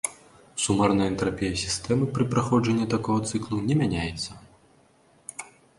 Сумарная энтрапія сістэмы пры праходжанні такога цыклу не мяняецца.